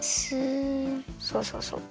そうそうそう。